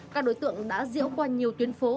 các đối tượng đã diễu qua nhiều tuyến phố